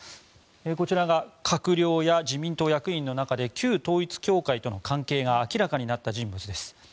こちらが閣僚や自民党役員の中で旧統一教会との関係が明らかになった人物です。